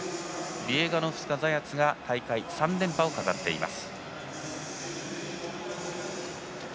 ビエガノフスカザヤツが大会３連覇を飾っています。